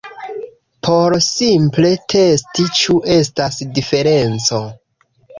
Por simple testi ĉu estas diferenco